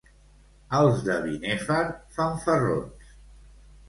Els de Binèfar, fanfarrons.